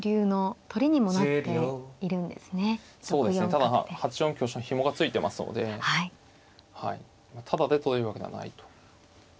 ただ８四香車ひもが付いてますのでタダで取れるわけではないと。